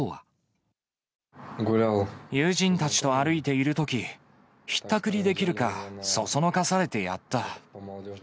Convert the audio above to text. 友人たちと歩いているとき、ひったくりできるか、唆されてやった。